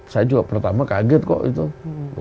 saya juga pertama kaget kok itu